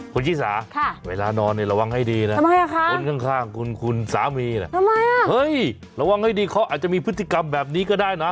คุณชิสาเวลานอนเนี่ยระวังให้ดีนะคนข้างคุณคุณสามีนะเฮ้ยระวังให้ดีเขาอาจจะมีพฤติกรรมแบบนี้ก็ได้นะ